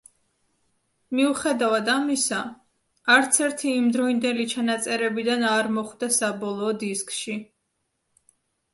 მიუხედავად ამისა, არც ერთი იმდროინდელი ჩანაწერებიდან არ მოხვდა საბოლოო დისკში.